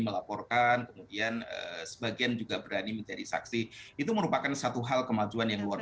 melaporkan kemudian sebagian juga berani menjadi saksi itu merupakan satu hal kemajuan yang luar